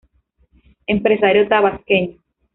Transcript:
Empresario tabasqueño